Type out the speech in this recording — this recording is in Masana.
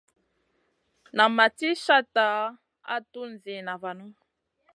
Nan ma sli cata a tun ziyna vanu.